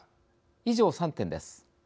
以上、３点です。